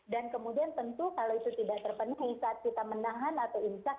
dan kemudian tentu kalau itu tidak terpenuhi saat kita menahan atau insak